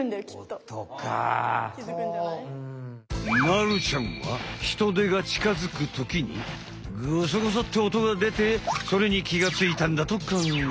まるちゃんはヒトデがちかづくときにゴソゴソって音がでてそれに気がついたんだとかんがえた。